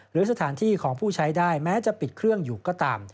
หรือสถานที่ของผู้ใช้ได้แม้จะปิดเครื่องอยู่ก็ตาม